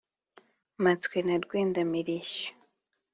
mpatswe na rwenda mirishyo.